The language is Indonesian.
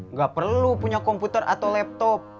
nggak perlu punya komputer atau laptop